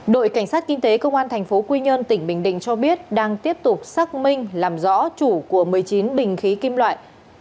đội cảnh sát kinh tế công an thành phố quy nhơn tỉnh bình định cho biết đang tiếp tục xác minh làm rõ chủ của một mươi chín bình khí kim loại